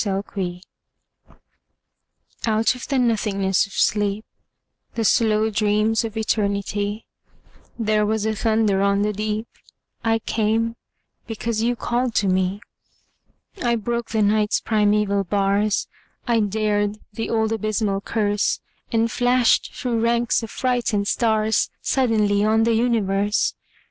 The Call Out of the nothingness of sleep, The slow dreams of Eternity, There was a thunder on the deep: I came, because you called to me. I broke the Night's primeval bars, I dared the old abysmal curse, And flashed through ranks of frightened stars Suddenly on the universe!